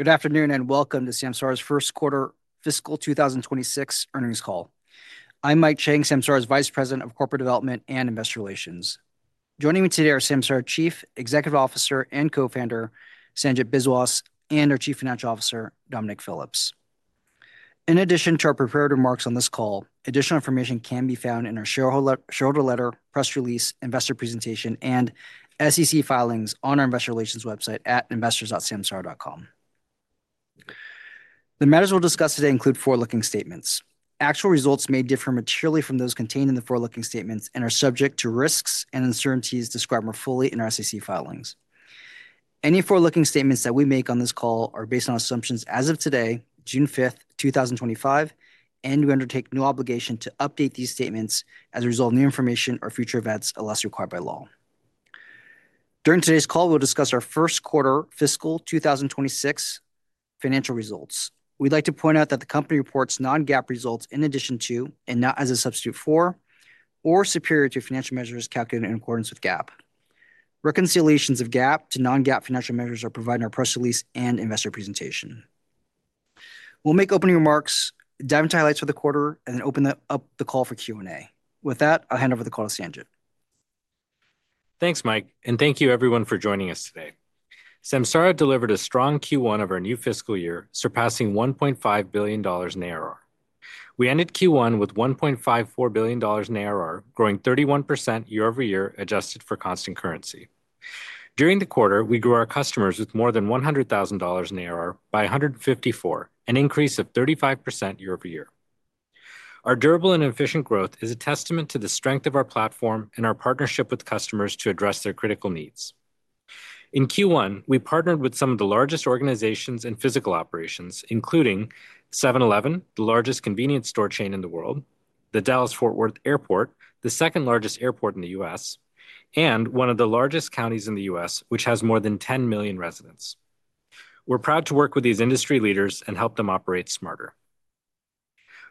Good afternoon and welcome to Samsara's First Quarter Fiscal 2026 Earnings Call. I'm Mike Chang, Samsara's Vice President of Corporate Development and Investor Relations. Joining me today are Samsara Chief Executive Officer and Co-Founder Sanjit Biswas and our Chief Financial Officer Dominic Phillips. In addition to our prepared remarks on this call, additional information can be found in our shareholder letter, press release, investor presentation, and SEC filings on our investor relations website at investors.samsara.com. The matters we'll discuss today include forward-looking statements. Actual results may differ materially from those contained in the forward-looking statements and are subject to risks and uncertainties described more fully in our SEC filings. Any forward-looking statements that we make on this call are based on assumptions as of today, June 5th, 2025, and we undertake no obligation to update these statements as a result of new information or future events unless required by law. During today's call, we'll discuss our first quarter fiscal 2026 financial results. We'd like to point out that the company reports non-GAAP results in addition to, and not as a substitute for, or superior to financial measures calculated in accordance with GAAP. Reconciliations of GAAP to non-GAAP financial measures are provided in our press release and investor presentation. We'll make opening remarks, dive into highlights for the quarter, and then open up the call for Q&A. With that, I'll hand over the call to Sanjit. Thanks, Mike, and thank you everyone for joining us today. Samsara delivered a strong Q1 of our new fiscal year, surpassing $1.5 billion in ARR. We ended Q1 with $1.54 billion in ARR, growing 31% year-over-year adjusted for constant currency. During the quarter, we grew our customers with more than $100,000 in ARR by 154, an increase of 35% year-over-year. Our durable and efficient growth is a testament to the strength of our platform and our partnership with customers to address their critical needs. In Q1, we partnered with some of the largest organizations in physical operations, including 7-Eleven, the largest convenience store chain in the world, the Dallas-Fort Worth Airport, the second largest airport in the U.S., and one of the largest counties in the U.S., which has more than 10 million residents. We're proud to work with these industry leaders and help them operate smarter.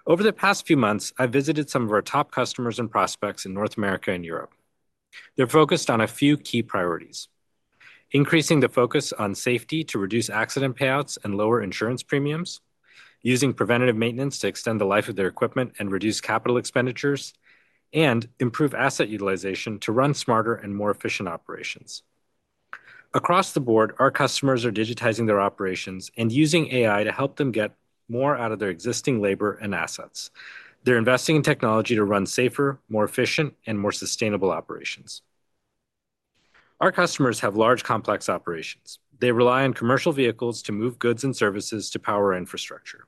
Over the past few months, I've visited some of our top customers and prospects in North America and Europe. They're focused on a few key priorities: increasing the focus on safety to reduce accident payouts and lower insurance premiums, using preventative maintenance to extend the life of their equipment and reduce capital expenditures, and improve asset utilization to run smarter and more efficient operations. Across the board, our customers are digitizing their operations and using AI to help them get more out of their existing labor and assets. They're investing in technology to run safer, more efficient, and more sustainable operations. Our customers have large, complex operations. They rely on commercial vehicles to move goods and services to power infrastructure.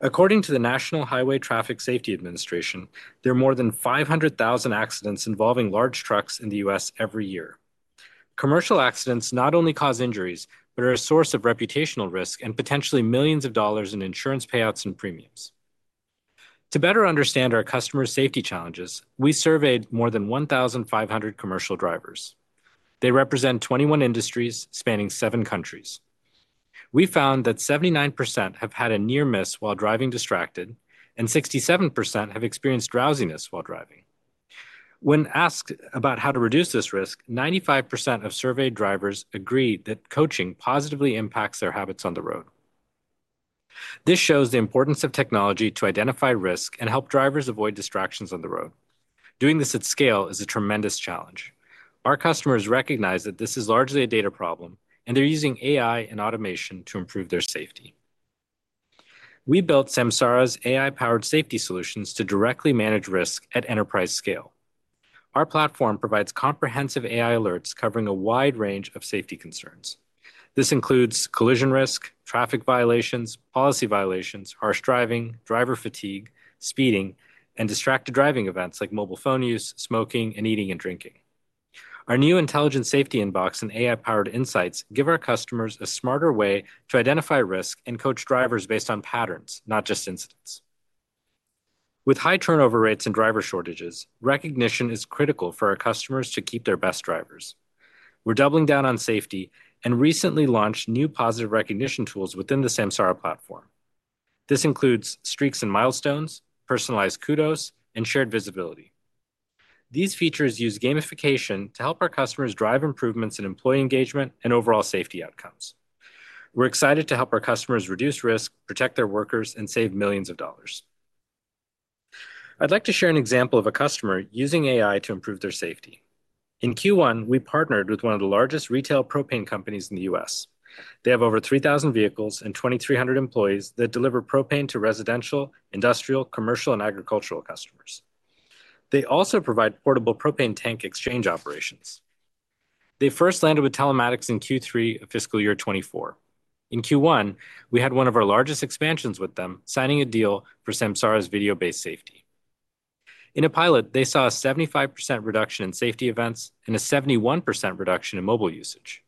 According to the National Highway Traffic Safety Administration, there are more than 500,000 accidents involving large trucks in the U.S. every year. Commercial accidents not only cause injuries, but are a source of reputational risk and potentially millions of dollars in insurance payouts and premiums. To better understand our customers' safety challenges, we surveyed more than 1,500 commercial drivers. They represent 21 industries spanning seven countries. We found that 79% have had a near miss while driving distracted, and 67% have experienced drowsiness while driving. When asked about how to reduce this risk, 95% of surveyed drivers agreed that coaching positively impacts their habits on the road. This shows the importance of technology to identify risk and help drivers avoid distractions on the road. Doing this at scale is a tremendous challenge. Our customers recognize that this is largely a data problem, and they're using AI and automation to improve their safety. We built Samsara's AI-powered safety solutions to directly manage risk at enterprise scale. Our platform provides comprehensive AI alerts covering a wide range of safety concerns. This includes collision risk, traffic violations, policy violations, harsh driving, driver fatigue, speeding, and distracted driving events like mobile phone use, smoking, and eating and drinking. Our new intelligent safety inbox and AI-powered insights give our customers a smarter way to identify risk and coach drivers based on patterns, not just incidents. With high turnover rates and driver shortages, recognition is critical for our customers to keep their best drivers. We're doubling down on safety and recently launched new positive recognition tools within the Samsara platform. This includes streaks and milestones, personalized kudos, and shared visibility. These features use gamification to help our customers drive improvements in employee engagement and overall safety outcomes. We're excited to help our customers reduce risk, protect their workers, and save millions of dollars. I'd like to share an example of a customer using AI to improve their safety. In Q1, we partnered with one of the largest retail propane companies in the U.S. They have over 3,000 vehicles and 2,300 employees that deliver propane to residential, industrial, commercial, and agricultural customers. They also provide portable propane tank exchange operations. They first landed with Telematics in Q3 of fiscal year 2024. In Q1, we had one of our largest expansions with them, signing a deal for Samsara's video-based safety. In a pilot, they saw a 75% reduction in safety events and a 71% reduction in mobile usage.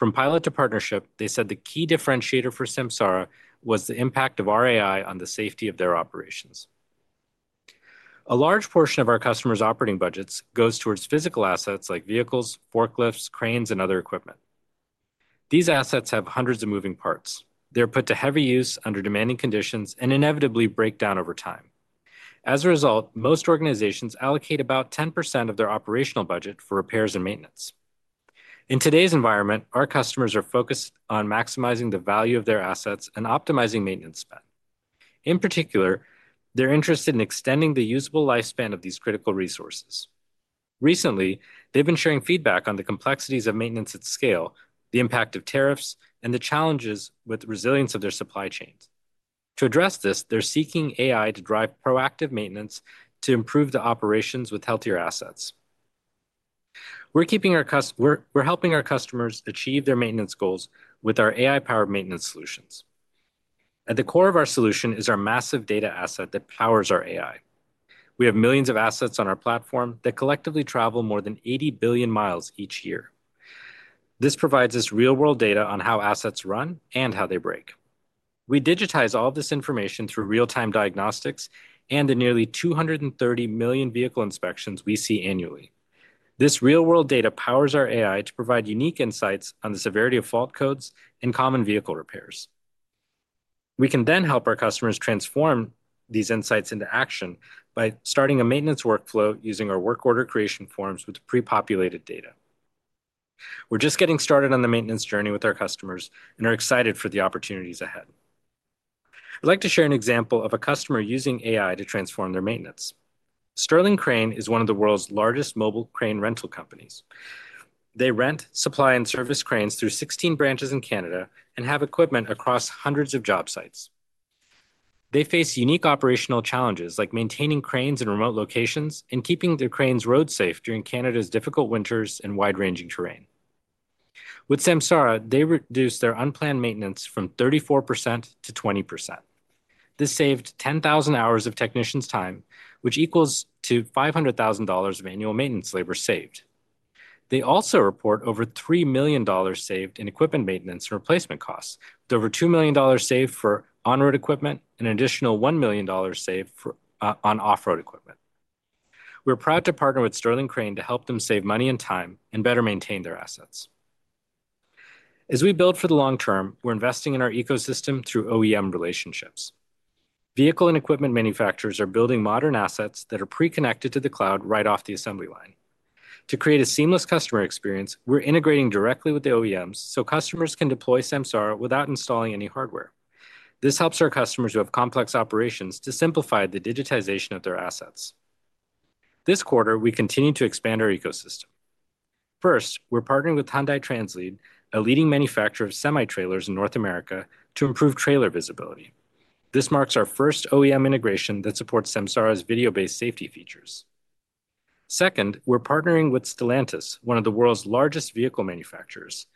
From pilot to partnership, they said the key differentiator for Samsara was the impact of our AI on the safety of their operations. A large portion of our customers' operating budgets goes towards physical assets like vehicles, forklifts, cranes, and other equipment. These assets have hundreds of moving parts. They're put to heavy use under demanding conditions and inevitably break down over time. As a result, most organizations allocate about 10% of their operational budget for repairs and maintenance. In today's environment, our customers are focused on maximizing the value of their assets and optimizing maintenance spend. In particular, they're interested in extending the usable lifespan of these critical resources. Recently, they've been sharing feedback on the complexities of maintenance at scale, the impact of tariffs, and the challenges with resilience of their supply chains. To address this, they're seeking AI to drive proactive maintenance to improve the operations with healthier assets. We're helping our customers achieve their maintenance goals with our AI-powered maintenance solutions. At the core of our solution is our massive data asset that powers our AI. We have millions of assets on our platform that collectively travel more than 80 billion miles each year. This provides us real-world data on how assets run and how they break. We digitize all this information through real-time diagnostics and the nearly 230 million vehicle inspections we see annually. This real-world data powers our AI to provide unique insights on the severity of fault codes and common vehicle repairs. We can then help our customers transform these insights into action by starting a maintenance workflow using our work order creation forms with pre-populated data. We're just getting started on the maintenance journey with our customers and are excited for the opportunities ahead. I'd like to share an example of a customer using AI to transform their maintenance. Sterling Crane is one of the world's largest mobile crane rental companies. They rent, supply, and service cranes through 16 branches in Canada and have equipment across hundreds of job sites. They face unique operational challenges like maintaining cranes in remote locations and keeping their cranes road-safe during Canada's difficult winters and wide-ranging terrain. With Samsara, they reduced their unplanned maintenance from 34% to 20%. This saved 10,000 hours of technicians' time, which equals $500,000 of annual maintenance labor saved. They also report over $3 million saved in equipment maintenance and replacement costs, with over $2 million saved for on-road equipment and an additional $1 million saved on off-road equipment. We're proud to partner with Sterling Crane to help them save money and time and better maintain their assets. As we build for the long term, we're investing in our ecosystem through OEM relationships. Vehicle and equipment manufacturers are building modern assets that are pre-connected to the cloud right off the assembly line. To create a seamless customer experience, we're integrating directly with the OEMs so customers can deploy Samsara without installing any hardware. This helps our customers who have complex operations to simplify the digitization of their assets. This quarter, we continue to expand our ecosystem. First, we're partnering with Hyundai Translead, a leading manufacturer of semi-trailers in North America, to improve trailer visibility. This marks our first OEM integration that supports Samsara's video-based safety features. Second, we're partnering with Stellantis, one of the world's largest vehicle manufacturers.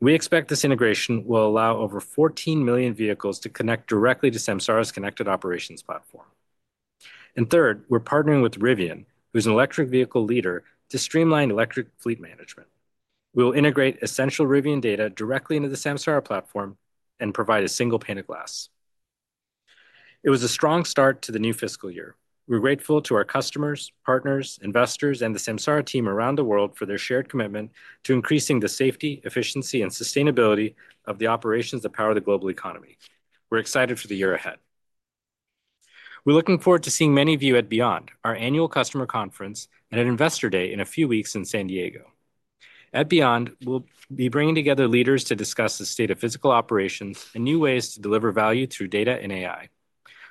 We expect this integration will allow over 14 million vehicles to connect directly to Samsara's connected operations platform. Third, we're partnering with Rivian, who's an electric vehicle leader, to streamline electric fleet management. We'll integrate essential Rivian data directly into the Samsara platform and provide a single pane of glass. It was a strong start to the new fiscal year. We're grateful to our customers, partners, investors, and the Samsara team around the world for their shared commitment to increasing the safety, efficiency, and sustainability of the operations that power the global economy. We're excited for the year ahead. We're looking forward to seeing many of you at Beyond, our annual customer conference, and at Investor Day in a few weeks in San Diego. At Beyond, we'll be bringing together leaders to discuss the state of physical operations and new ways to deliver value through data and AI.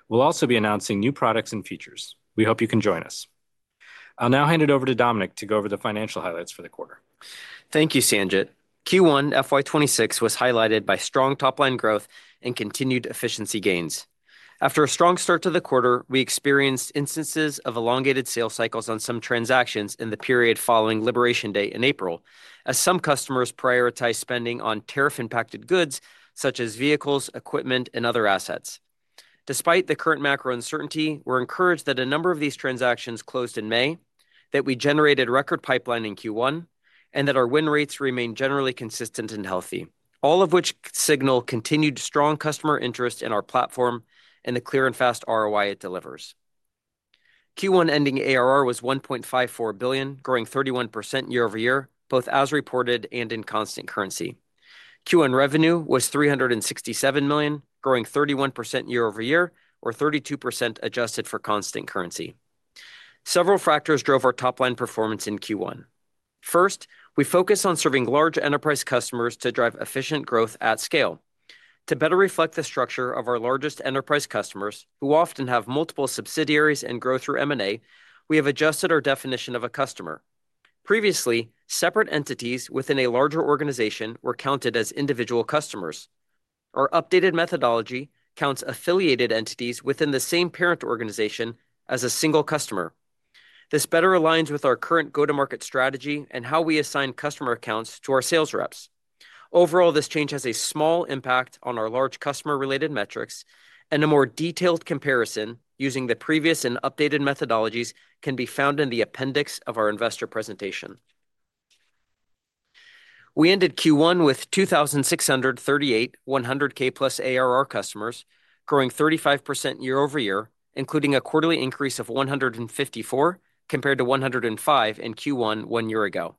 We'll also be announcing new products and features. We hope you can join us. I'll now hand it over to Dominic to go over the financial highlights for the quarter. Thank you, Sanjit. Q1 FY2026 was highlighted by strong top-line growth and continued efficiency gains. After a strong start to the quarter, we experienced instances of elongated sales cycles on some transactions in the period following Liberation Day in April, as some customers prioritized spending on tariff-impacted goods such as vehicles, equipment, and other assets. Despite the current macro uncertainty, we're encouraged that a number of these transactions closed in May, that we generated record pipeline in Q1, and that our win rates remain generally consistent and healthy, all of which signal continued strong customer interest in our platform and the clear and fast ROI it delivers. Q1 ending ARR was $1.54 billion, growing 31% year-over-year, both as reported and in constant currency. Q1 revenue was $367 million, growing 31% year-over-year, or 32% adjusted for constant currency. Several factors drove our top-line performance in Q1. First, we focused on serving large enterprise customers to drive efficient growth at scale. To better reflect the structure of our largest enterprise customers, who often have multiple subsidiaries and grow through M&A, we have adjusted our definition of a customer. Previously, separate entities within a larger organization were counted as individual customers. Our updated methodology counts affiliated entities within the same parent organization as a single customer. This better aligns with our current go-to-market strategy and how we assign customer accounts to our sales reps. Overall, this change has a small impact on our large customer-related metrics, and a more detailed comparison using the previous and updated methodologies can be found in the appendix of our investor presentation. We ended Q1 with 2,638 100K+ ARR customers, growing 35% year-over-year, including a quarterly increase of 154 compared to 105 in Q1 one year ago.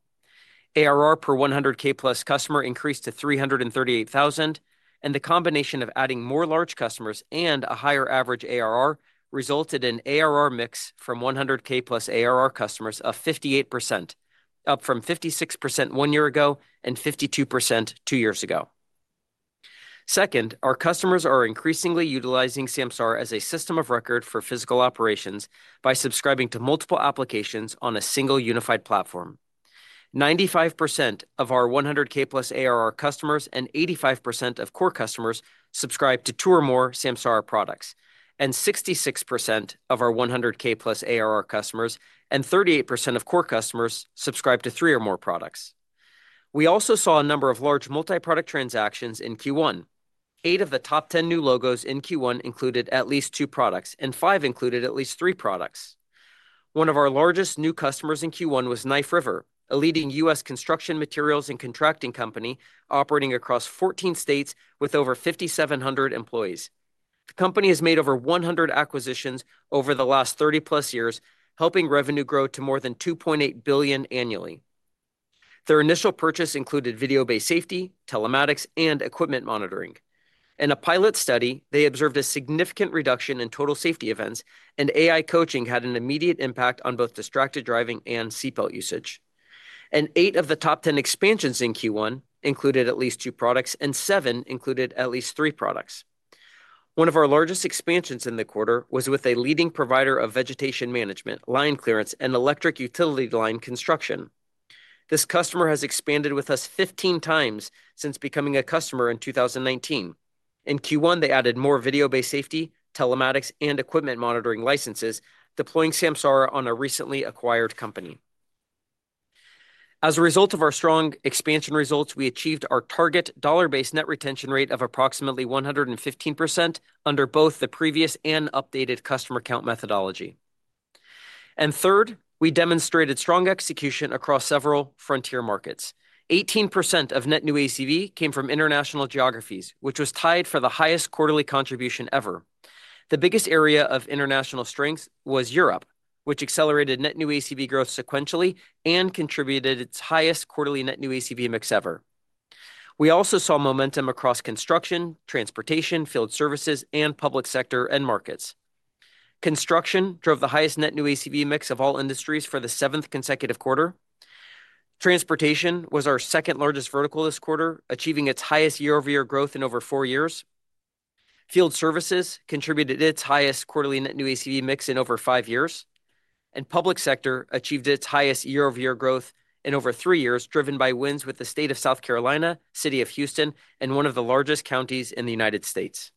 ARR per 100K+ customer increased to $338,000, and the combination of adding more large customers and a higher average ARR resulted in ARR mix from 100K+ ARR customers of 58%, up from 56% one year ago and 52% two years ago. Second, our customers are increasingly utilizing Samsara as a system of record for physical operations by subscribing to multiple applications on a single unified platform. 95% of our 100K+ ARR customers and 85% of core customers subscribe to two or more Samsara products, and 66% of our 100K+ ARR customers and 38% of core customers subscribe to three or more products. We also saw a number of large multi-product transactions in Q1. Eight of the top 10 new logos in Q1 included at least two products, and five included at least three products. One of our largest new customers in Q1 was Knife River, a leading U.S. Construction materials and contracting company operating across 14 states with over 5,700 employees. The company has made over 100 acquisitions over the last 30-plus years, helping revenue grow to more than $2.8 billion annually. Their initial purchase included video-based safety, telematics, and equipment monitoring. In a pilot study, they observed a significant reduction in total safety events, and AI coaching had an immediate impact on both distracted driving and seatbelt usage. Eight of the top 10 expansions in Q1 included at least two products, and seven included at least three products. One of our largest expansions in the quarter was with a leading provider of vegetation management, line clearance, and electric utility line construction. This customer has expanded with us 15 times since becoming a customer in 2019. In Q1, they added more video-based safety, telematics, and equipment monitoring licenses, deploying Samsara on a recently acquired company. As a result of our strong expansion results, we achieved our target dollar-based net retention rate of approximately 115% under both the previous and updated customer count methodology. Third, we demonstrated strong execution across several frontier markets. 18% of net new ACV came from international geographies, which was tied for the highest quarterly contribution ever. The biggest area of international strength was Europe, which accelerated net new ACV growth sequentially and contributed its highest quarterly net new ACV mix ever. We also saw momentum across construction, transportation, field services, and public sector markets. Construction drove the highest net new ACV mix of all industries for the seventh consecutive quarter. Transportation was our second-largest vertical this quarter, achieving its highest year-over-year growth in over four years. Field services contributed its highest quarterly net new ACV mix in over five years. Public sector achieved its highest year-over-year growth in over three years, driven by wins with the State of South Carolina, City of Houston, and one of the largest counties in the United States.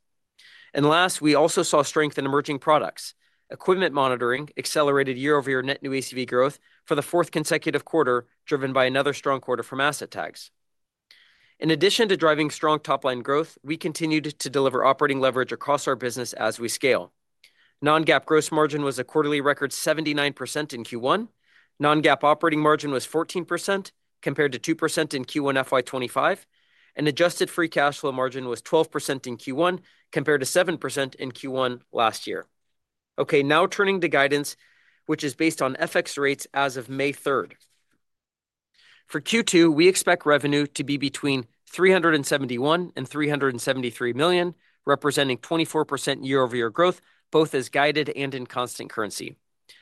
Last, we also saw strength in emerging products. Equipment monitoring accelerated year-over-year net new ACV growth for the fourth consecutive quarter, driven by another strong quarter from asset tags. In addition to driving strong top-line growth, we continued to deliver operating leverage across our business as we scale. Non-GAAP gross margin was a quarterly record 79% in Q1. Non-GAAP operating margin was 14% compared to 2% in Q1 FY2025. Adjusted free cash flow margin was 12% in Q1 compared to 7% in Q1 last year. Now turning to guidance, which is based on FX rates as of May 3rd. For Q2, we expect revenue to be between $371 million and $373 million, representing 24% year-over-year growth, both as guided and in constant currency.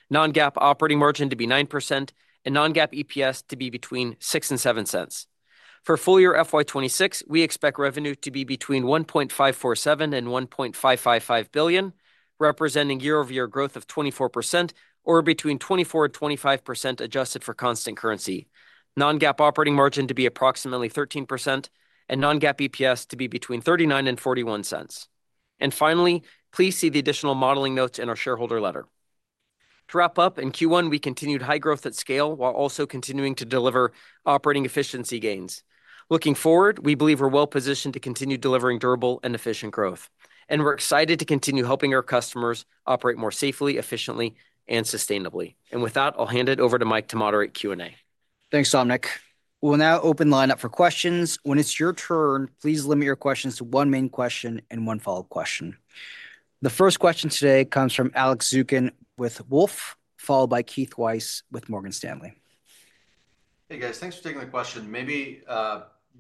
Non-GAAP operating margin to be 9%, and non-GAAP EPS to be between $0.06 and $0.07. For full year FY2026, we expect revenue to be between $1.547 billion and $1.555 billion, representing year-over-year growth of 24%, or between 24%-25% adjusted for constant currency. Non-GAAP operating margin to be approximately 13%, and non-GAAP EPS to be between $0.39 and $0.41. Please see the additional modeling notes in our shareholder letter. To wrap up, in Q1, we continued high growth at scale while also continuing to deliver operating efficiency gains. Looking forward, we believe we are well positioned to continue delivering durable and efficient growth. We are excited to continue helping our customers operate more safely, efficiently, and sustainably. With that, I'll hand it over to Mike to moderate Q&A. Thanks, Dominic. We'll now open the lineup for questions. When it's your turn, please limit your questions to one main question and one follow-up question. The first question today comes from Alex Zukin with Wolfe, followed by Keith Weiss with Morgan Stanley. Hey, guys, thanks for taking the question. Maybe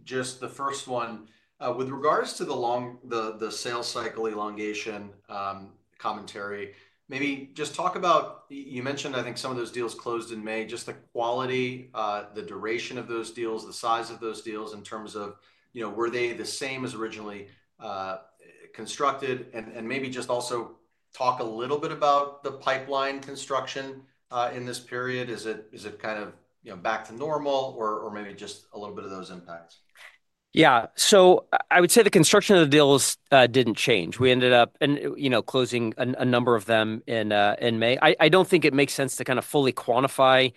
just the first one, with regards to the sales cycle elongation commentary, maybe just talk about, you mentioned, I think some of those deals closed in May, just the quality, the duration of those deals, the size of those deals in terms of, were they the same as originally constructed? Maybe just also talk a little bit about the pipeline construction in this period. Is it kind of back to normal, or maybe just a little bit of those impacts? Yeah, so I would say the construction of the deals did not change. We ended up closing a number of them in May. I do not think it makes sense to kind of fully quantify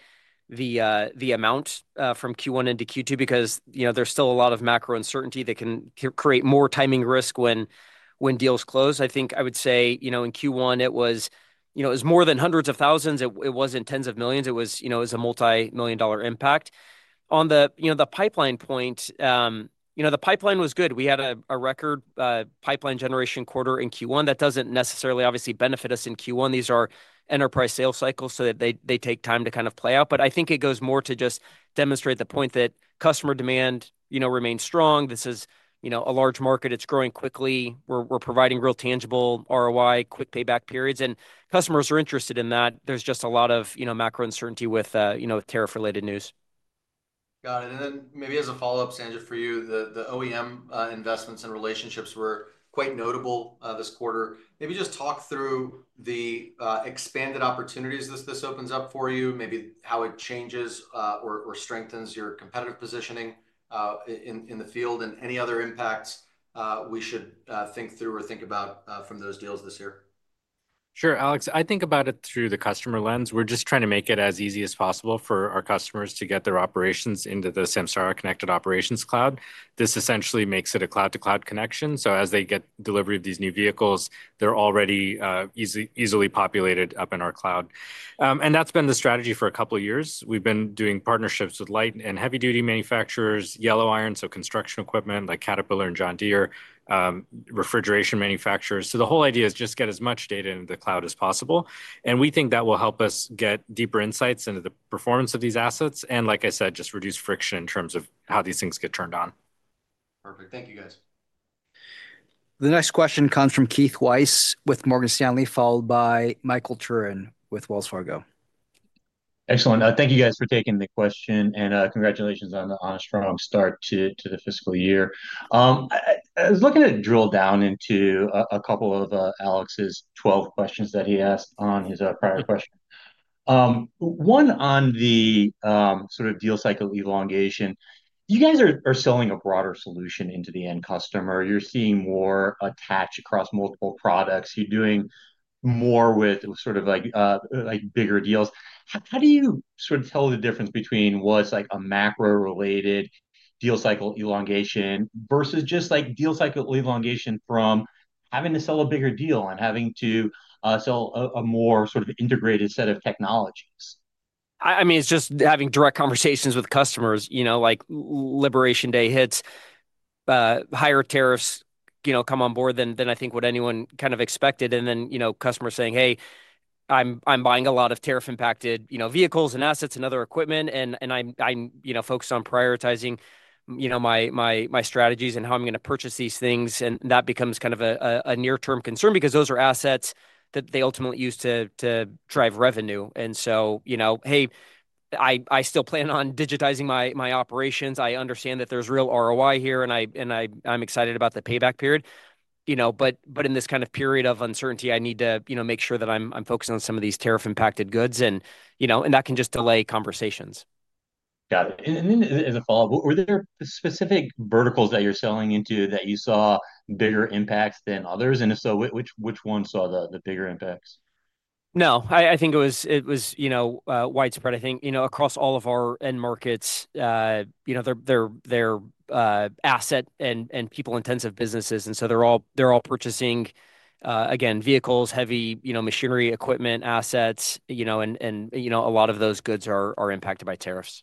the amount from Q1 into Q2 because there is still a lot of macro uncertainty that can create more timing risk when deals close. I think I would say in Q1, it was more than hundreds of thousands. It was not tens of millions. It was a multi-million dollar impact. On the pipeline point, the pipeline was good. We had a record pipeline generation quarter in Q1. That does not necessarily obviously benefit us in Q1. These are enterprise sales cycles so that they take time to kind of play out. I think it goes more to just demonstrate the point that customer demand remains strong. This is a large market. It is growing quickly. We're providing real tangible ROI, quick payback periods. Customers are interested in that. There's just a lot of macro uncertainty with tariff-related news. Got it. Maybe as a follow-up, Sanjit, for you, the OEM investments and relationships were quite notable this quarter. Maybe just talk through the expanded opportunities this opens up for you, maybe how it changes or strengthens your competitive positioning in the field and any other impacts we should think through or think about from those deals this year. Sure, Alex. I think about it through the customer lens. We're just trying to make it as easy as possible for our customers to get their operations into the Samsara Connected Operations Cloud. This essentially makes it a cloud-to-cloud connection. As they get delivery of these new vehicles, they're already easily populated up in our cloud. That's been the strategy for a couple of years. We've been doing partnerships with light and heavy-duty manufacturers, yellow iron, so construction equipment like Caterpillar and John Deere, refrigeration manufacturers. The whole idea is just to get as much data into the cloud as possible. We think that will help us get deeper insights into the performance of these assets and, like I said, just reduce friction in terms of how these things get turned on. Perfect. Thank you, guys. The next question comes from Keith Weiss with Morgan Stanley, followed by Michael Turin with Wells Fargo. Excellent. Thank you, guys, for taking the question. Congratulations on a strong start to the fiscal year. I was looking to drill down into a couple of Alex's 12 questions that he asked on his prior question. One on the sort of deal cycle elongation. You guys are selling a broader solution into the end customer. You're seeing more attached across multiple products. You're doing more with sort of bigger deals. How do you sort of tell the difference between what's a macro-related deal cycle elongation versus just deal cycle elongation from having to sell a bigger deal and having to sell a more sort of integrated set of technologies? I mean, it's just having direct conversations with customers. Like Liberation Day hits, higher tariffs come on board than I think what anyone kind of expected. Then customers saying, "Hey, I'm buying a lot of tariff-impacted vehicles and assets and other equipment, and I'm focused on prioritizing my strategies and how I'm going to purchase these things." That becomes kind of a near-term concern because those are assets that they ultimately use to drive revenue. I still plan on digitizing my operations. I understand that there's real ROI here, and I'm excited about the payback period. In this kind of period of uncertainty, I need to make sure that I'm focusing on some of these tariff-impacted goods. That can just delay conversations. Got it. As a follow-up, were there specific verticals that you're selling into that you saw bigger impacts than others? If so, which ones saw the bigger impacts? No, I think it was widespread. I think across all of our end markets, they're asset and people-intensive businesses. They're all purchasing, again, vehicles, heavy machinery, equipment, assets. A lot of those goods are impacted by tariffs.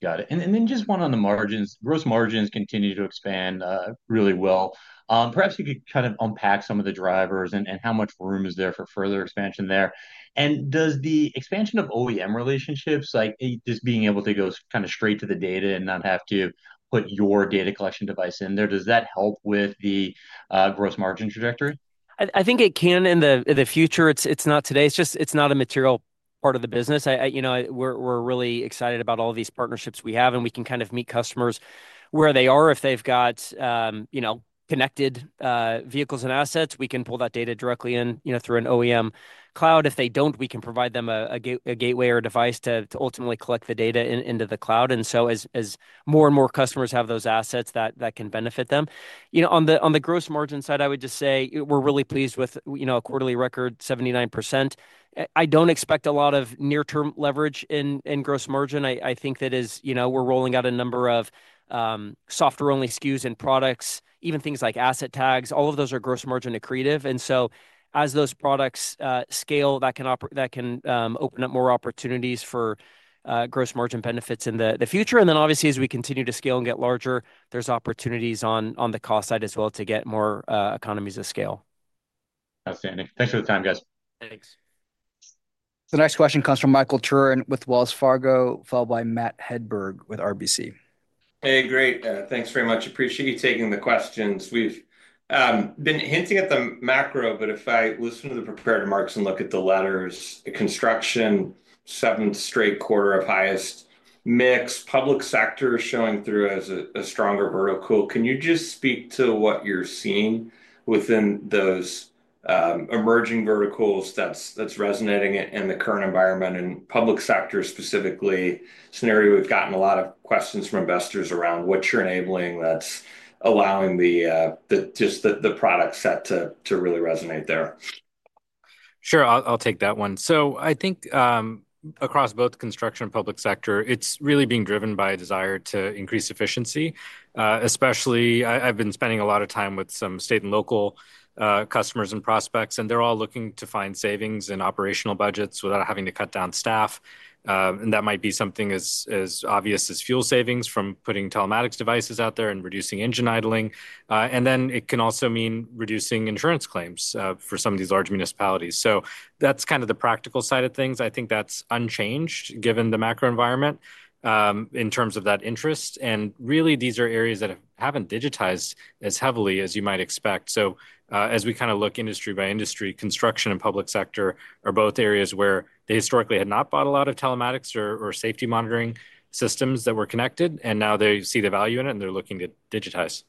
Got it. And then just one on the margins. Gross margins continue to expand really well. Perhaps you could kind of unpack some of the drivers and how much room is there for further expansion there. And does the expansion of OEM relationships, like just being able to go kind of straight to the data and not have to put your data collection device in there, does that help with the gross margin trajectory? I think it can in the future. It's not today. It's just it's not a material part of the business. We're really excited about all of these partnerships we have, and we can kind of meet customers where they are. If they've got connected vehicles and assets, we can pull that data directly in through an OEM cloud. If they don't, we can provide them a gateway or a device to ultimately collect the data into the cloud. As more and more customers have those assets, that can benefit them. On the gross margin side, I would just say we're really pleased with a quarterly record 79%. I don't expect a lot of near-term leverage in gross margin. I think that we're rolling out a number of software-only SKUs and products, even things like asset tags. All of those are gross margin accretive. As those products scale, that can open up more opportunities for gross margin benefits in the future. Obviously, as we continue to scale and get larger, there are opportunities on the cost side as well to get more economies of scale. Outstanding. Thanks for the time, guys. Thanks. The next question comes from Michael Turin with Wells Fargo, followed by Matt Hedberg with RBC. Hey, great. Thanks very much. Appreciate you taking the questions. We've been hinting at the macro, but if I listen to the prepared marks and look at the letters, the construction, seventh straight quarter of highest mix, public sector showing through as a stronger vertical. Can you just speak to what you're seeing within those emerging verticals that's resonating in the current environment and public sector specifically scenario? We've gotten a lot of questions from investors around what you're enabling that's allowing just the product set to really resonate there. Sure, I'll take that one. I think across both construction and public sector, it's really being driven by a desire to increase efficiency, especially I've been spending a lot of time with some state and local customers and prospects, and they're all looking to find savings in operational budgets without having to cut down staff. That might be something as obvious as fuel savings from putting telematics devices out there and reducing engine idling. It can also mean reducing insurance claims for some of these large municipalities. That's kind of the practical side of things. I think that's unchanged given the macro environment in terms of that interest. These are areas that haven't digitized as heavily as you might expect. As we kind of look industry by industry, construction and public sector are both areas where they historically had not bought a lot of telematics or safety monitoring systems that were connected. Now they see the value in it, and they're looking to digitize.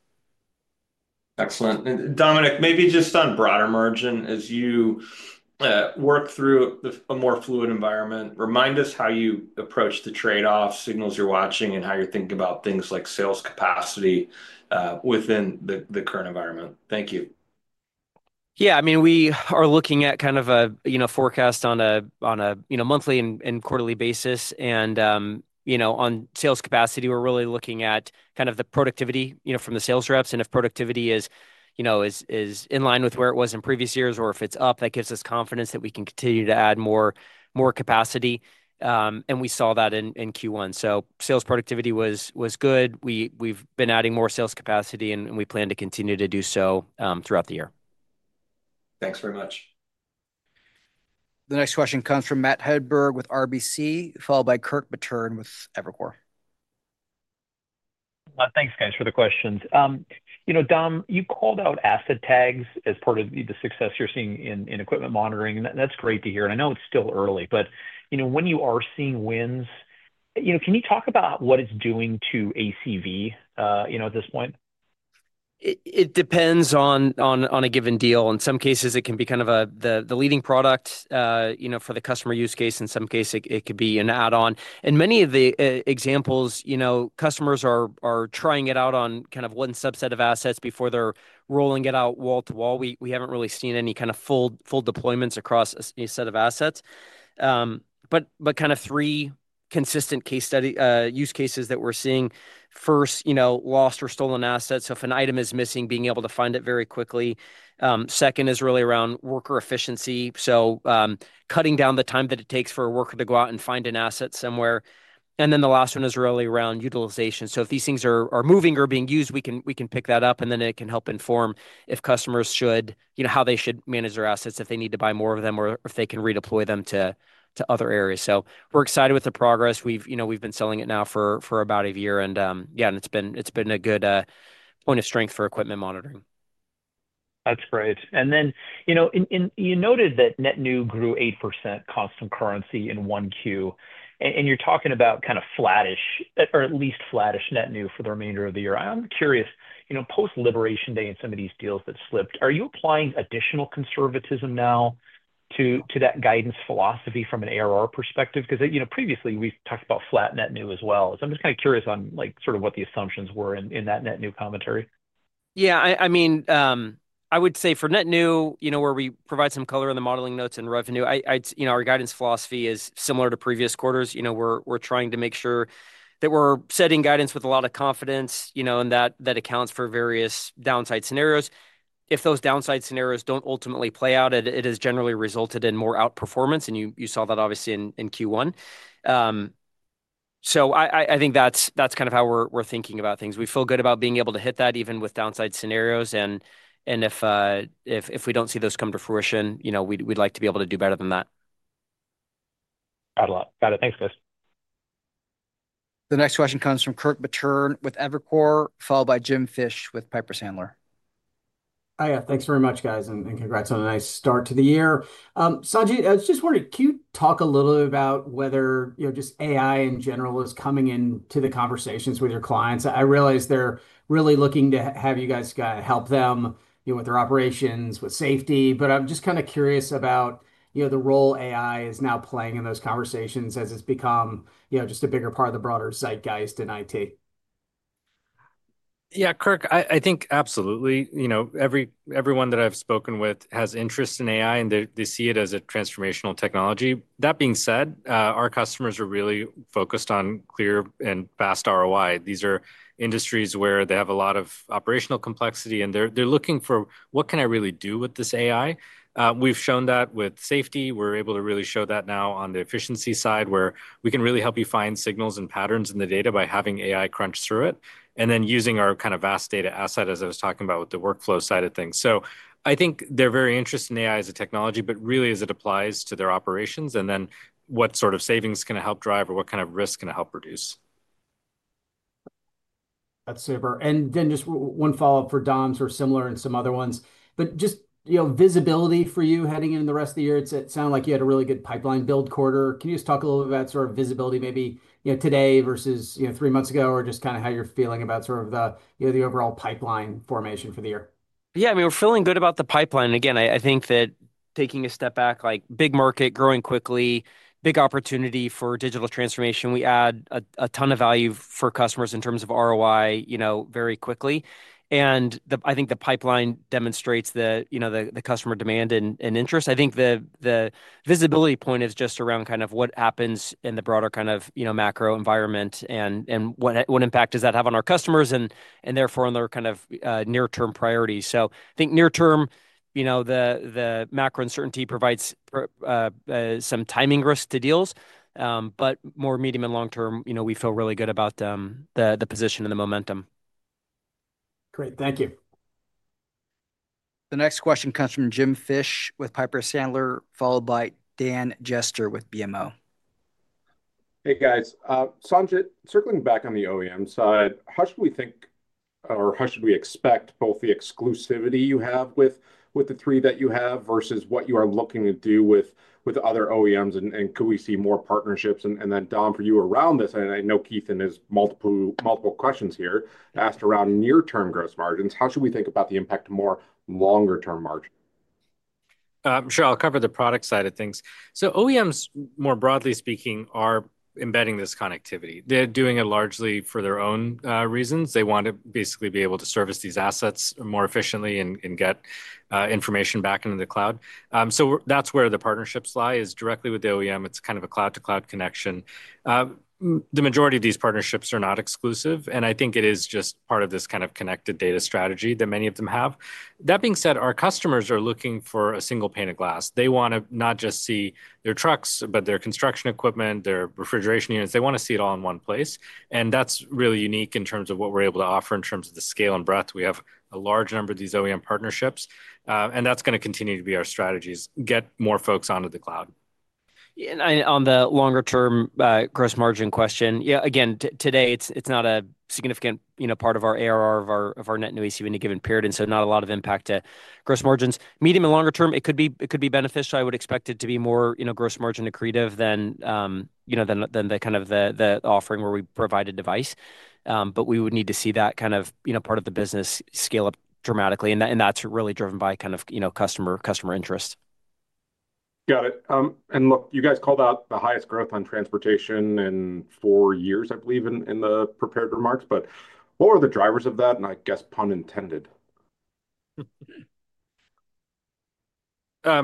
Excellent. Dominic, maybe just on broader margin, as you work through a more fluid environment, remind us how you approach the trade-off signals you're watching and how you're thinking about things like sales capacity within the current environment. Thank you. Yeah, I mean, we are looking at kind of a forecast on a monthly and quarterly basis. On sales capacity, we're really looking at kind of the productivity from the sales reps. If productivity is in line with where it was in previous years or if it's up, that gives us confidence that we can continue to add more capacity. We saw that in Q1. Sales productivity was good. We've been adding more sales capacity, and we plan to continue to do so throughout the year. Thanks very much. The next question comes from Matt Hedberg with RBC, followed by Andy McCall with Evercore. Thanks, guys, for the questions. Dom, you called out asset tags as part of the success you're seeing in equipment monitoring. That's great to hear. I know it's still early, but when you are seeing wins, can you talk about what it's doing to ACV at this point? It depends on a given deal. In some cases, it can be kind of the leading product for the customer use case. In some cases, it could be an add-on. In many of the examples, customers are trying it out on kind of one subset of assets before they're rolling it out wall to wall. We haven't really seen any kind of full deployments across a set of assets. Kind of three consistent use cases that we're seeing. First, lost or stolen assets. If an item is missing, being able to find it very quickly. Second is really around worker efficiency, cutting down the time that it takes for a worker to go out and find an asset somewhere. The last one is really around utilization. If these things are moving or being used, we can pick that up, and then it can help inform how they should manage their assets if they need to buy more of them or if they can redeploy them to other areas. We're excited with the progress. We've been selling it now for about a year. Yeah, it's been a good point of strength for equipment monitoring. That's great. Then you noted that net new grew 8% constant currency in one Q. You're talking about kind of flattish or at least flattish net new for the remainder of the year. I'm curious, post-Liberation Day and some of these deals that slipped, are you applying additional conservatism now to that guidance philosophy from an ARR perspective? Because previously, we've talked about flat net new as well. I'm just kind of curious on sort of what the assumptions were in that net new commentary. Yeah, I mean, I would say for net new, where we provide some color in the modeling notes and revenue, our guidance philosophy is similar to previous quarters. We're trying to make sure that we're setting guidance with a lot of confidence and that accounts for various downside scenarios. If those downside scenarios do not ultimately play out, it has generally resulted in more outperformance. You saw that obviously in Q1. I think that's kind of how we're thinking about things. We feel good about being able to hit that even with downside scenarios. If we do not see those come to fruition, we'd like to be able to do better than that. Got it. Thanks, guys. The next question comes from Andy McCall with Evercore, followed by Jim Fish with Piper Sandler. Hi, yeah, thanks very much, guys. And congrats on a nice start to the year. Sanjit, I was just wondering, can you talk a little about whether just AI in general is coming into the conversations with your clients? I realize they're really looking to have you guys help them with their operations, with safety. But I'm just kind of curious about the role AI is now playing in those conversations as it's become just a bigger part of the broader zeitgeist in IT. Yeah, Kirk, I think absolutely. Everyone that I've spoken with has interest in AI, and they see it as a transformational technology. That being said, our customers are really focused on clear and fast ROI. These are industries where they have a lot of operational complexity, and they're looking for, "What can I really do with this AI?" We've shown that with safety. We're able to really show that now on the efficiency side where we can really help you find signals and patterns in the data by having AI crunch through it and then using our kind of vast data asset, as I was talking about with the workflow side of things. I think they're very interested in AI as a technology, but really as it applies to their operations and then what sort of savings can it help drive or what kind of risk can it help reduce. That's super. And then just one follow-up for Dom's or similar and some other ones. But just visibility for you heading into the rest of the year, it sounded like you had a really good pipeline build quarter. Can you just talk a little bit about sort of visibility maybe today versus three months ago or just kind of how you're feeling about sort of the overall pipeline formation for the year? Yeah, I mean, we're feeling good about the pipeline. Again, I think that taking a step back, like big market growing quickly, big opportunity for digital transformation, we add a ton of value for customers in terms of ROI very quickly. I think the pipeline demonstrates the customer demand and interest. I think the visibility point is just around kind of what happens in the broader kind of macro environment and what impact does that have on our customers and therefore on their kind of near-term priorities. I think near-term, the macro uncertainty provides some timing risk to deals. More medium and long-term, we feel really good about the position and the momentum. Great. Thank you. The next question comes from Jim Fish with Piper Sandler, followed by Dan Jester with BMO. Hey, guys. Sanjit, circling back on the OEM side, how should we think or how should we expect both the exclusivity you have with the three that you have versus what you are looking to do with other OEMs? Could we see more partnerships? Dom, for you around this, and I know Keith and his multiple questions here asked around near-term gross margins, how should we think about the impact to more longer-term margins? Sure. I'll cover the product side of things. OEMs, more broadly speaking, are embedding this connectivity. They're doing it largely for their own reasons. They want to basically be able to service these assets more efficiently and get information back into the cloud. That's where the partnerships lie is directly with the OEM. It's kind of a cloud-to-cloud connection. The majority of these partnerships are not exclusive. I think it is just part of this kind of connected data strategy that many of them have. That being said, our customers are looking for a single pane of glass. They want to not just see their trucks, but their construction equipment, their refrigeration units. They want to see it all in one place. That's really unique in terms of what we're able to offer in terms of the scale and breadth. We have a large number of these OEM partnerships. That is going to continue to be our strategy, get more folks onto the cloud. On the longer-term gross margin question, yeah, again, today, it is not a significant part of our ARR or our net new ACV in a given period. Not a lot of impact to gross margins. Medium and longer term, it could be beneficial. I would expect it to be more gross margin accretive than the kind of the offering where we provide a device. We would need to see that kind of part of the business scale up dramatically. That is really driven by kind of customer interest. Got it. Look, you guys called out the highest growth on transportation in four years, I believe, in the prepared remarks. What were the drivers of that? I guess pun intended. I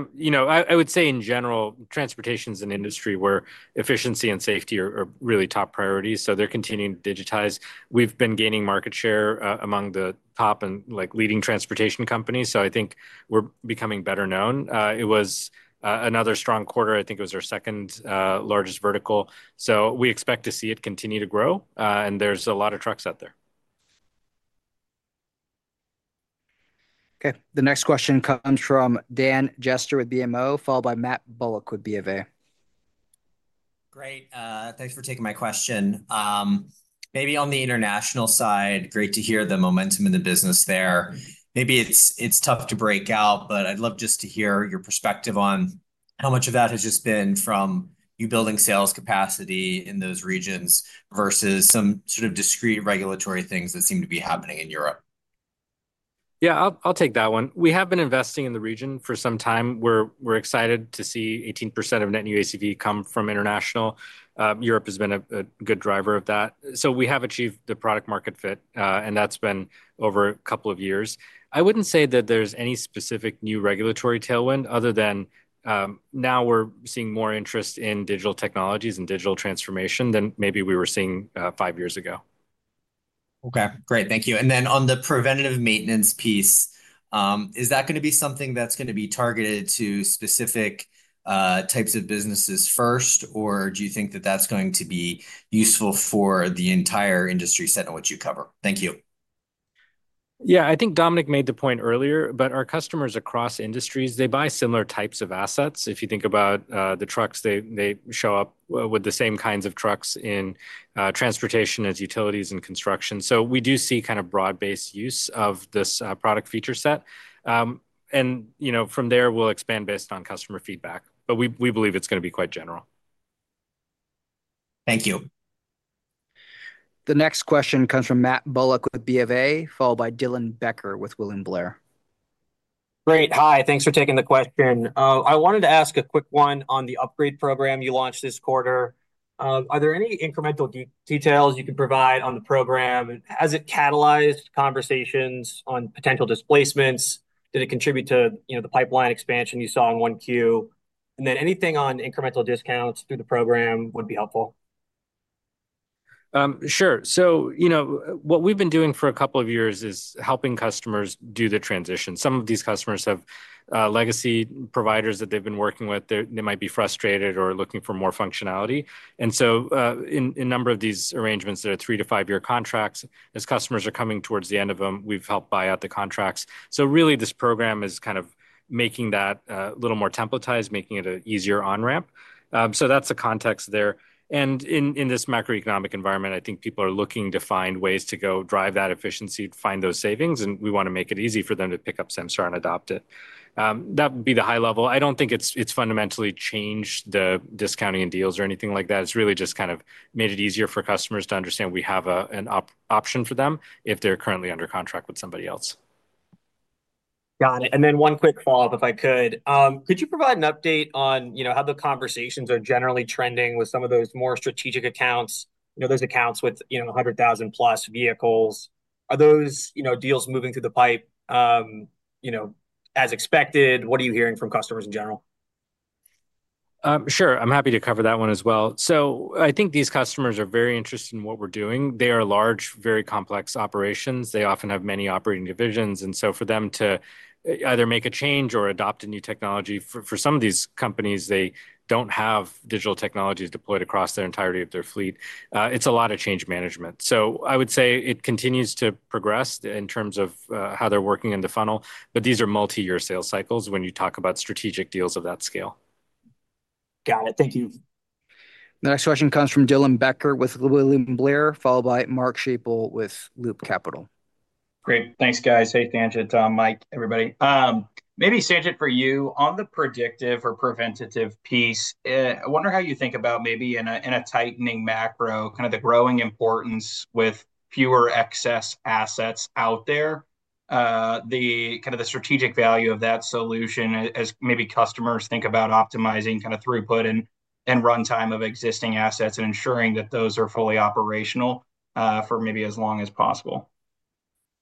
would say in general, transportation is an industry where efficiency and safety are really top priorities. They are continuing to digitize. We have been gaining market share among the top and leading transportation companies. I think we are becoming better known. It was another strong quarter. I think it was our second largest vertical. We expect to see it continue to grow. There are a lot of trucks out there. Okay. The next question comes from Dan Jester with BMO, followed by Matt Bullock with BMA. Great. Thanks for taking my question. Maybe on the international side, great to hear the momentum in the business there. Maybe it's tough to break out, but I'd love just to hear your perspective on how much of that has just been from you building sales capacity in those regions versus some sort of discrete regulatory things that seem to be happening in Europe. Yeah, I'll take that one. We have been investing in the region for some time. We're excited to see 18% of net new ACV come from international. Europe has been a good driver of that. We have achieved the product-market fit, and that's been over a couple of years. I wouldn't say that there's any specific new regulatory tailwind other than now we're seeing more interest in digital technologies and digital transformation than maybe we were seeing five years ago. Okay. Great. Thank you. On the preventative maintenance piece, is that going to be something that's going to be targeted to specific types of businesses first, or do you think that that's going to be useful for the entire industry set in what you cover? Thank you. Yeah, I think Dominic made the point earlier, but our customers across industries, they buy similar types of assets. If you think about the trucks, they show up with the same kinds of trucks in transportation as utilities and construction. We do see kind of broad-based use of this product feature set. From there, we'll expand based on customer feedback. We believe it's going to be quite general. Thank you. The next question comes from Matt Bullock with BMA, followed by Dylan Becker with Will and Blair. Great. Hi. Thanks for taking the question. I wanted to ask a quick one on the upgrade program you launched this quarter. Are there any incremental details you can provide on the program? Has it catalyzed conversations on potential displacements? Did it contribute to the pipeline expansion you saw in Q1? Anything on incremental discounts through the program would be helpful. Sure. What we've been doing for a couple of years is helping customers do the transition. Some of these customers have legacy providers that they've been working with. They might be frustrated or looking for more functionality. In a number of these arrangements, there are three- to five-year contracts. As customers are coming towards the end of them, we've helped buy out the contracts. This program is kind of making that a little more templatized, making it an easier on-ramp. That's the context there. In this macroeconomic environment, I think people are looking to find ways to go drive that efficiency, find those savings. We want to make it easy for them to pick up Samsara and adopt it. That would be the high level. I don't think it's fundamentally changed the discounting in deals or anything like that. It's really just kind of made it easier for customers to understand we have an option for them if they're currently under contract with somebody else. Got it. One quick follow-up, if I could. Could you provide an update on how the conversations are generally trending with some of those more strategic accounts, those accounts with 100,000-plus vehicles? Are those deals moving through the pipe as expected? What are you hearing from customers in general? Sure. I'm happy to cover that one as well. I think these customers are very interested in what we're doing. They are large, very complex operations. They often have many operating divisions. For them to either make a change or adopt a new technology, for some of these companies, they don't have digital technologies deployed across the entirety of their fleet. It's a lot of change management. I would say it continues to progress in terms of how they're working in the funnel. These are multi-year sales cycles when you talk about strategic deals of that scale. Got it. Thank you. The next question comes from Dylan Becker with William Blair, followed by Mark Schappel with Loop Capital. Great. Thanks, guys. Hey, Sanjit, Dom, Mike, everybody. Maybe, Sanjit, for you, on the predictive or preventative piece, I wonder how you think about maybe in a tightening macro, kind of the growing importance with fewer excess assets out there, kind of the strategic value of that solution as maybe customers think about optimizing kind of throughput and runtime of existing assets and ensuring that those are fully operational for maybe as long as possible.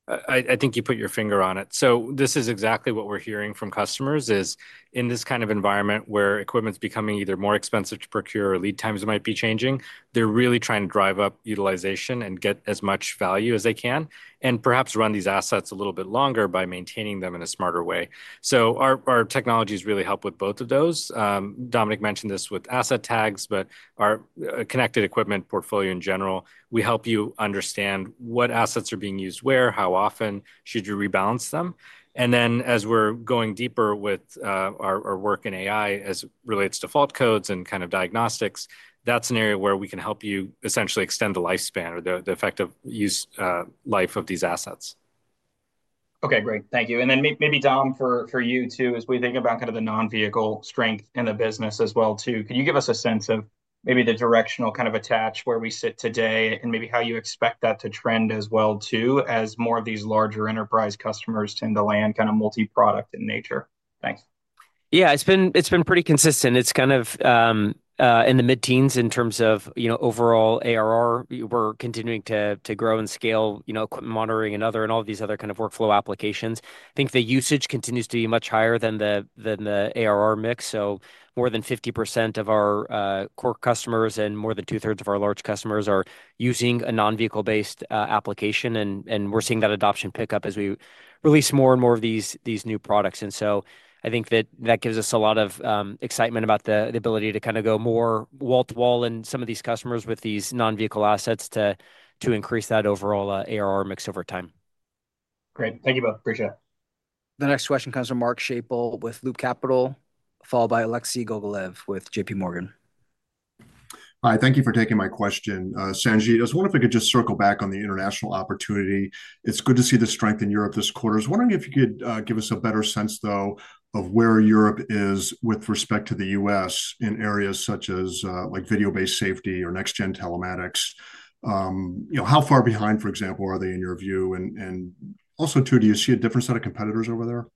I think you put your finger on it. This is exactly what we're hearing from customers is in this kind of environment where equipment's becoming either more expensive to procure or lead times might be changing, they're really trying to drive up utilization and get as much value as they can and perhaps run these assets a little bit longer by maintaining them in a smarter way. Our technologies really help with both of those. Dominic mentioned this with asset tags, but our connected equipment portfolio in general, we help you understand what assets are being used where, how often should you rebalance them. As we're going deeper with our work in AI as it relates to fault codes and kind of diagnostics, that's an area where we can help you essentially extend the lifespan or the effective life of these assets. Okay. Great. Thank you. Maybe, Dom, for you too, as we think about kind of the non-vehicle strength in the business as well, can you give us a sense of maybe the directional kind of attach where we sit today and maybe how you expect that to trend as well as more of these larger enterprise customers tend to land kind of multi-product in nature? Thanks. Yeah, it's been pretty consistent. It's kind of in the mid-teens in terms of overall ARR. We're continuing to grow and scale equipment monitoring and all of these other kind of workflow applications. I think the usage continues to be much higher than the ARR mix. More than 50% of our core customers and more than two-thirds of our large customers are using a non-vehicle-based application. We're seeing that adoption pick up as we release more and more of these new products. I think that gives us a lot of excitement about the ability to kind of go more wall-to-wall in some of these customers with these non-vehicle assets to increase that overall ARR mix over time. Great. Thank you both. Appreciate it. The next question comes from Mark Schappel with Loop Capital, followed by Alexei Gogolev with JPMorgan. Hi. Thank you for taking my question. Sanjit, I just wonder if I could just circle back on the international opportunity. It's good to see the strength in Europe this quarter. I was wondering if you could give us a better sense, though, of where Europe is with respect to the U.S. in areas such as video-based safety or next-gen telematics. How far behind, for example, are they in your view? Also, do you see a different set of competitors over there?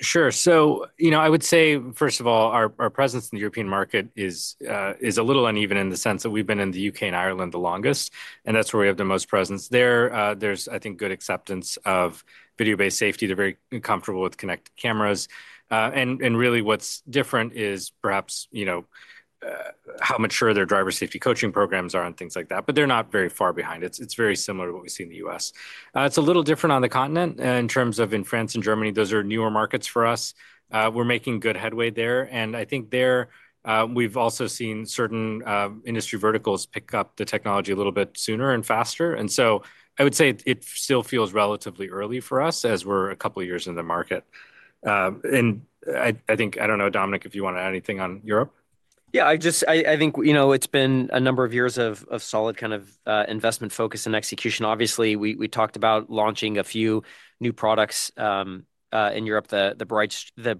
Sure. I would say, first of all, our presence in the European market is a little uneven in the sense that we've been in the U.K. and Ireland the longest. That's where we have the most presence. There's, I think, good acceptance of video-based safety. They're very comfortable with connected cameras. Really, what's different is perhaps how mature their driver safety coaching programs are and things like that. They're not very far behind. It's very similar to what we see in the U.S. It's a little different on the continent in terms of in France and Germany. Those are newer markets for us. We're making good headway there. I think there we've also seen certain industry verticals pick up the technology a little bit sooner and faster. I would say it still feels relatively early for us as we're a couple of years in the market. I think, I don't know, Dominic, if you want to add anything on Europe. Yeah. I think it's been a number of years of solid kind of investment focus and execution. Obviously, we talked about launching a few new products in Europe, the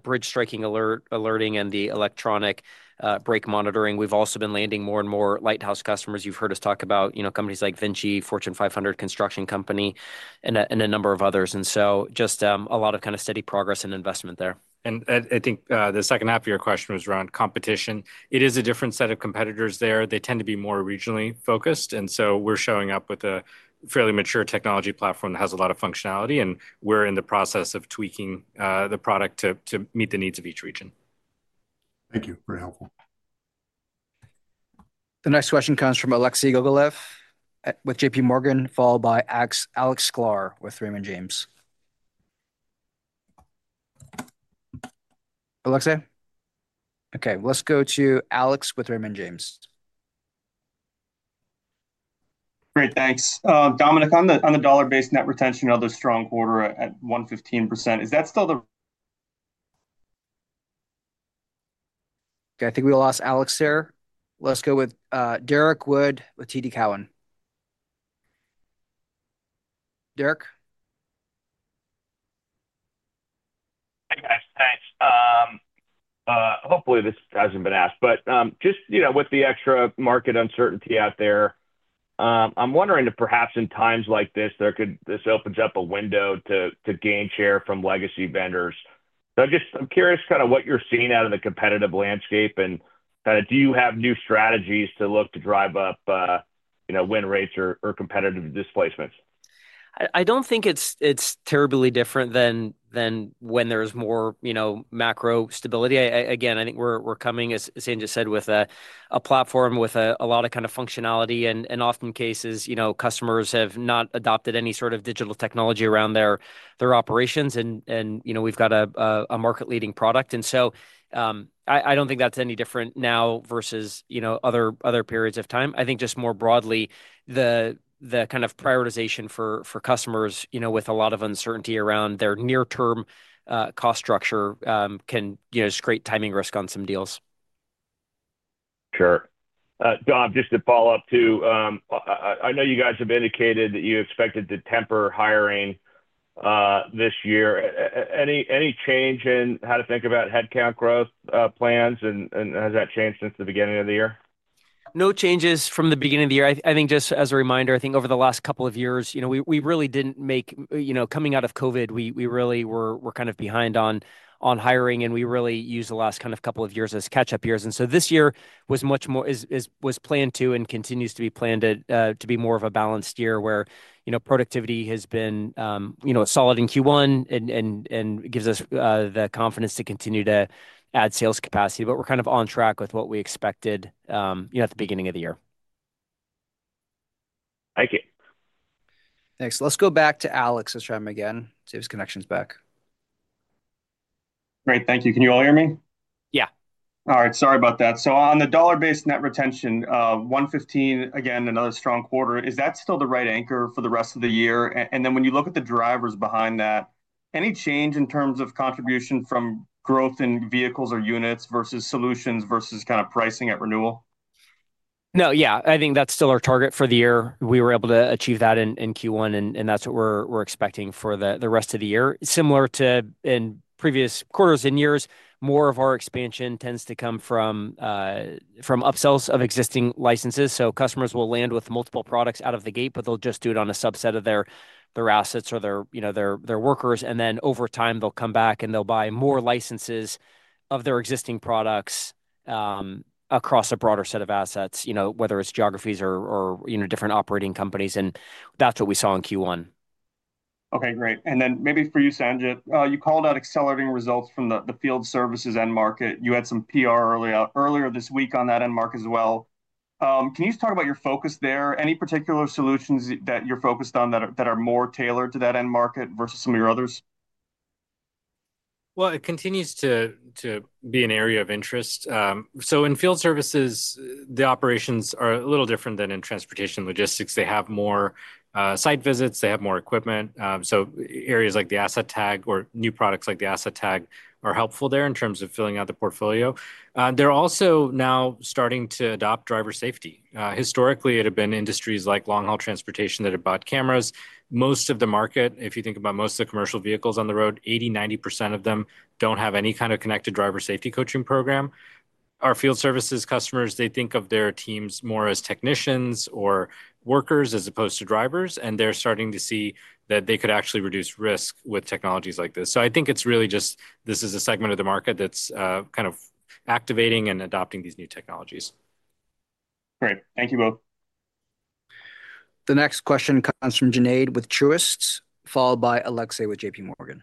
bridge striking alerting and the electronic brake monitoring. We've also been landing more and more lighthouse customers. You've heard us talk about companies like Vinci, Fortune 500 construction company, and a number of others. Just a lot of kind of steady progress and investment there. I think the second half of your question was around competition. It is a different set of competitors there. They tend to be more regionally focused. We are showing up with a fairly mature technology platform that has a lot of functionality. We are in the process of tweaking the product to meet the needs of each region. Thank you. Very helpful. The next question comes from Alexei Gogolev with JPMorgan, followed by Alex Clare with Raymond James. Alexei? Okay. Let's go to Alex with Raymond James. Great. Thanks. Dominic, on the dollar-based net retention, another strong quarter at 115%. Is that still the? Okay. I think we lost Alex there. Let's go with Derek Wood with TD Cowen. Derek? Thanks. Hopefully, this hasn't been asked. Just with the extra market uncertainty out there, I'm wondering if perhaps in times like this, this opens up a window to gain share from legacy vendors. I'm curious kind of what you're seeing out of the competitive landscape. Do you have new strategies to look to drive up win rates or competitive displacements? I don't think it's terribly different than when there's more macro stability. Again, I think we're coming, as Sanjit said, with a platform with a lot of kind of functionality. In often cases, customers have not adopted any sort of digital technology around their operations. We've got a market-leading product. I don't think that's any different now versus other periods of time. I think just more broadly, the kind of prioritization for customers with a lot of uncertainty around their near-term cost structure can create timing risk on some deals. Sure. Dom, just to follow up too, I know you guys have indicated that you expected to temper hiring this year. Any change in how to think about headcount growth plans? Has that changed since the beginning of the year? No changes from the beginning of the year. I think just as a reminder, I think over the last couple of years, we really did not make coming out of COVID, we really were kind of behind on hiring. We really used the last couple of years as catch-up years. This year was planned to and continues to be planned to be more of a balanced year where productivity has been solid in Q1 and gives us the confidence to continue to add sales capacity. We are kind of on track with what we expected at the beginning of the year. Thank you. Thanks. Let's go back to Alex's room again. See if his connection's back. Great. Thank you. Can you all hear me? Yeah. All right. Sorry about that. On the dollar-based net retention, 115, again, another strong quarter. Is that still the right anchor for the rest of the year? When you look at the drivers behind that, any change in terms of contribution from growth in vehicles or units versus solutions versus kind of pricing at renewal? No. Yeah. I think that's still our target for the year. We were able to achieve that in Q1. That's what we're expecting for the rest of the year. Similar to in previous quarters and years, more of our expansion tends to come from upsells of existing licenses. Customers will land with multiple products out of the gate, but they'll just do it on a subset of their assets or their workers. Over time, they'll come back and they'll buy more licenses of their existing products across a broader set of assets, whether it's geographies or different operating companies. That's what we saw in Q1. Okay. Great. Maybe for you, Sanjit, you called out accelerating results from the field services end market. You had some PR earlier this week on that end market as well. Can you just talk about your focus there? Any particular solutions that you're focused on that are more tailored to that end market versus some of your others? It continues to be an area of interest. In field services, the operations are a little different than in transportation logistics. They have more site visits. They have more equipment. Areas like the asset tag or new products like the asset tag are helpful there in terms of filling out the portfolio. They're also now starting to adopt driver safety. Historically, it had been industries like long-haul transportation that had bought cameras. Most of the market, if you think about most of the commercial vehicles on the road, 80-90% of them do not have any kind of connected driver safety coaching program. Our field services customers, they think of their teams more as technicians or workers as opposed to drivers. They're starting to see that they could actually reduce risk with technologies like this. I think it's really just this is a segment of the market that's kind of activating and adopting these new technologies. Great. Thank you both. The next question comes from Janaid with Truist, followed by Alexei with JPMorgan.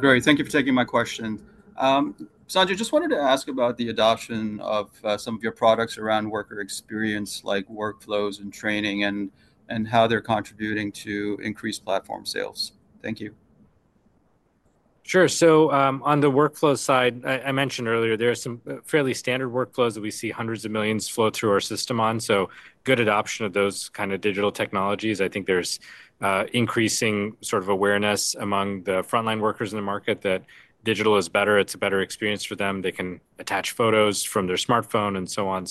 Great. Thank you for taking my question. Sanjit, just wanted to ask about the adoption of some of your products around worker experience, like workflows and training, and how they're contributing to increased platform sales. Thank you. Sure. On the workflow side, I mentioned earlier, there are some fairly standard workflows that we see hundreds of millions flow through our system on. Good adoption of those kind of digital technologies. I think there's increasing sort of awareness among the frontline workers in the market that digital is better. It's a better experience for them. They can attach photos from their smartphone and so on.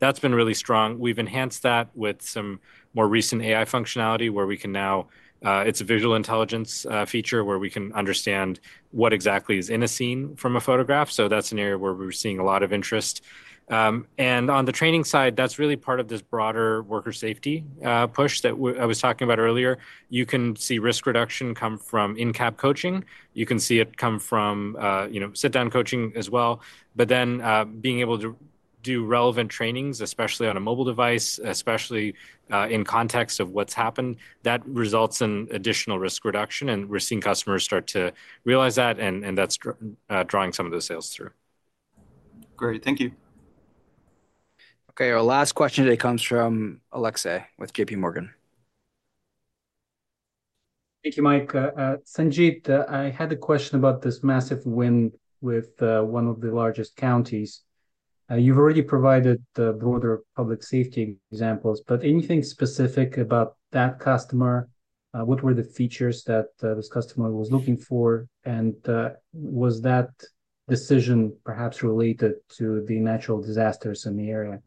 That's been really strong. We've enhanced that with some more recent AI functionality where we can now, it's a visual intelligence feature, where we can understand what exactly is in a scene from a photograph. That's an area where we're seeing a lot of interest. On the training side, that's really part of this broader worker safety push that I was talking about earlier. You can see risk reduction come from in-cab coaching. You can see it come from sit-down coaching as well. Being able to do relevant trainings, especially on a mobile device, especially in context of what's happened, that results in additional risk reduction. We are seeing customers start to realize that. That is drawing some of those sales through. Great. Thank you. Okay. Our last question today comes from Alexei with JPMorgan. Thank you, Mike. Sanjit, I had a question about this massive win with one of the largest counties. You've already provided broader public safety examples. Anything specific about that customer? What were the features that this customer was looking for? Was that decision perhaps related to the natural disasters in the area?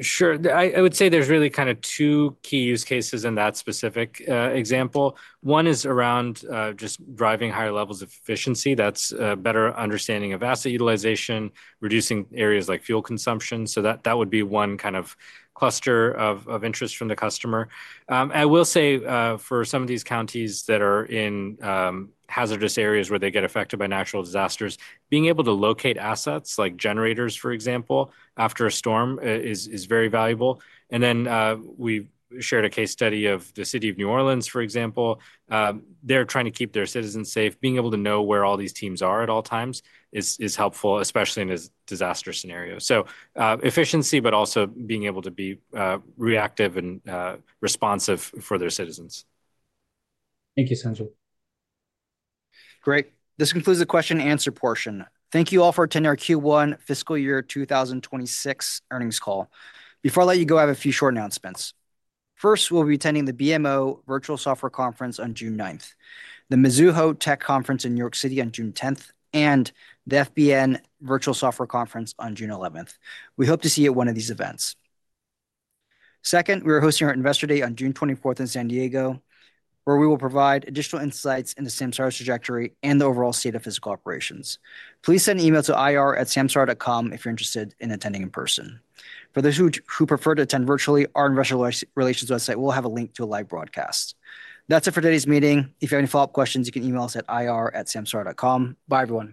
Sure. I would say there's really kind of two key use cases in that specific example. One is around just driving higher levels of efficiency. That's a better understanding of asset utilization, reducing areas like fuel consumption. That would be one kind of cluster of interest from the customer. I will say for some of these counties that are in hazardous areas where they get affected by natural disasters, being able to locate assets like generators, for example, after a storm is very valuable. We shared a case study of the city of New Orleans, for example. They're trying to keep their citizens safe. Being able to know where all these teams are at all times is helpful, especially in a disaster scenario. Efficiency, but also being able to be reactive and responsive for their citizens. Thank you, Sanjit. Great. This concludes the question-and-answer portion. Thank you all for attending our Q1 Fiscal Year 2026 earnings call. Before I let you go, I have a few short announcements. First, we'll be attending the BMO Virtual Software Conference on June 9, the Mizuho Tech Conference in New York City on June 10, and the FBN Virtual Software Conference on June 11. We hope to see you at one of these events. Second, we are hosting our Investor Day on June 24 in San Diego, where we will provide additional insights into Samsara's trajectory and the overall state of physical operations. Please send an email to ir@samsara.com if you're interested in attending in person. For those who prefer to attend virtually, our Investor Relations website will have a link to a live broadcast. That's it for today's meeting. If you have any follow-up questions, you can email us at ir@samsara.com. Bye everyone.